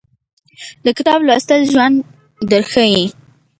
د کتاب لوستل ژوند درښایي